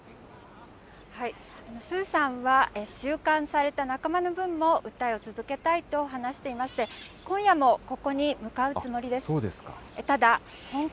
鄒さんは、収監された仲間の分も訴えを続けたいと話していまして、今夜もここに向かうつもりです。